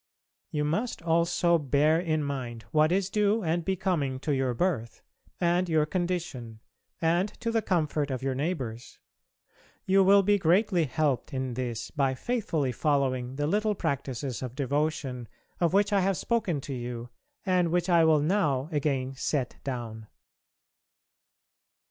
You must also bear in mind what is due and becoming to your birth and your condition and to the comfort of your neighbours. You will be greatly helped in this by faithfully following the little practices of devotion of which I have spoken to you, and which I will now again set down.